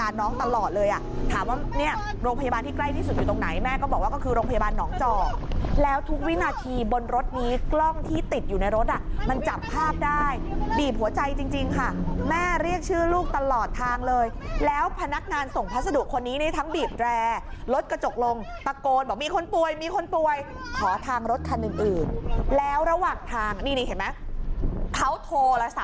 ตาตุตาตุตาตุตาตุตาตุตาตุตาตุตาตุตาตุตาตุตาตุตาตุตาตุตาตุตาตุตาตุตาตุตาตุตาตุตาตุตาตุตาตุตาตุตาตุตาตุตาตุตาตุตาตุตาตุตาตุตาตุตาตุตาตุตาตุตาตุตาตุตาตุตาตุตาตุตาตุตาตุตาตุตาตุตาตุต